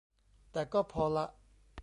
แต่ก็พอละ